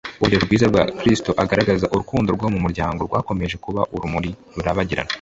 urugero rwiza rwa kristo agaragaza urukundo rwo mu muryango rwakomeje kuba urumuri rurabagirana